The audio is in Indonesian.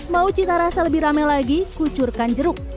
mau cita rasa lebih rame lagi kucurkan jeruk